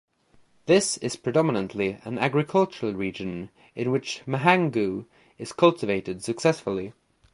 This is predominantly an agricultural region in which mahangu is cultivated successfully.